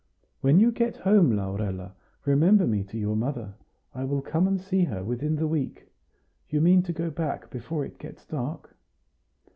When you get home, Laurella, remember me to your mother; I will come and see her within the week. You mean to go back before it gets dark?"